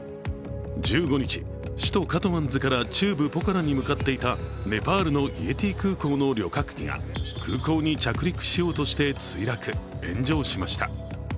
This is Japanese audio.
１５日、首都カトマンズから中部ポカラに向かっていたネパールのイエティ航空の旅客機が空港に着陸しようとして墜落、炎上しました。